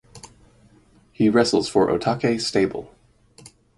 He wrestles for Otake stable.